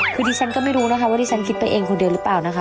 คือดิฉันก็ไม่รู้นะคะว่าดิฉันคิดไปเองคนเดียวหรือเปล่านะคะ